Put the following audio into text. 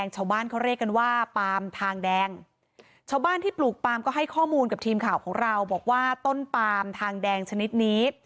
ชาวบ้านที่ปลูกปลามก็ให้ข้อมูลกับทีมข่าวของเราบอกว่าต้นปลามทางแดงชนิดนี้